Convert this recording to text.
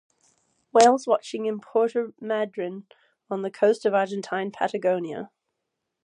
Whales-watching in Puerto Madryn on the coast of Argentine Patagonia.